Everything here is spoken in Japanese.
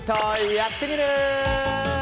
「やってみる。」。